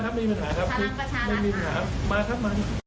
ขอบรับมาหัวหน้าทางนี้อย่างไรครับ